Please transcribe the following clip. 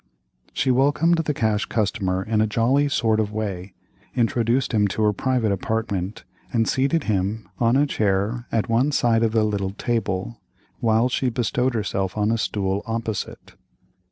She welcomed the Cash Customer in a jolly sort of way, introduced him to her private apartment, and seated him on a chair at one side of a little table, while she bestowed herself on a stool opposite.